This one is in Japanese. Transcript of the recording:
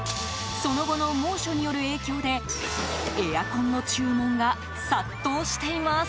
その後の猛暑による影響でエアコンの注文が殺到しています。